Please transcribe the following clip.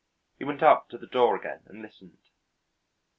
He went up to the door again and listened.